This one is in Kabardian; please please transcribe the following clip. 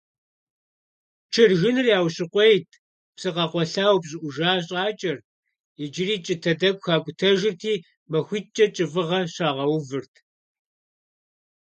чыржыныр яущыкъуейт, псы къэкъуэлъа упщIыIужа щIакIэрт, иджыри кIытэ тIэкIу хакIутэжырти, махуиткIэ кIыфIыгъэ щагъэувырт.